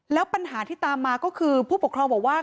แล้วปัญหาที่ตามมาก็คือผู้ปกครองบอกว่า